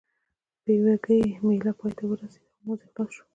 پېوه کې مېله پای ته ورسېده او لمونځ خلاص شو.